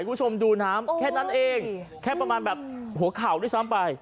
คุณผู้ชมดูน้ำแค่นั้นเองแค่ประมาณแบบหัวเข่าด้วยซ้ำไป